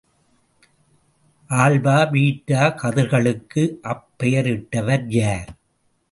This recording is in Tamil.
ஆல்பா, பீட்டா கதிர்களுக்கு அப்பெயரிட்டவர் யார்?